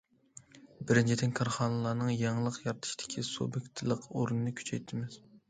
بىرىنچىدىن، كارخانىلارنىڭ يېڭىلىق يارىتىشتىكى سۇبيېكتلىق ئورنىنى كۈچەيتىمىز.